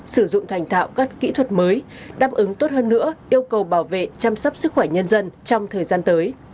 sử dụng thành thạo các kỹ thuật mới đáp ứng tốt hơn nữa yêu cầu bảo vệ chăm sóc sức khỏe nhân dân trong thời gian tới